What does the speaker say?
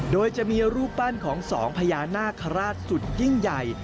โดยจะมีรูปปั้นของสองพญานาคาราชสุดยิ่งใหญ่